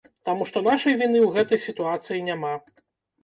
Таму што нашай віны ў гэтай сітуацыі няма.